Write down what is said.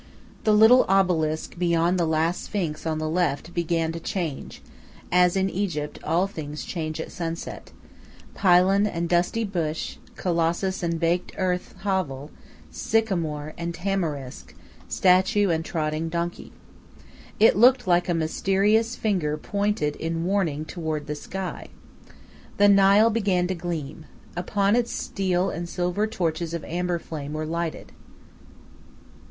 The little obelisk beyond the last sphinx on the left began to change, as in Egypt all things change at sunset pylon and dusty bush, colossus and baked earth hovel, sycamore, and tamarisk, statue and trotting donkey. It looked like a mysterious finger pointed in warning toward the sky. The Nile began to gleam. Upon its steel and silver torches of amber flame were lighted.